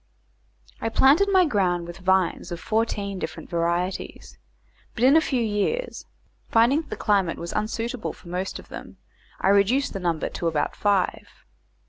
I planted my ground with vines of fourteen different varieties, but, in a few years, finding that the climate was unsuitable for most of them, I reduced the number to about five.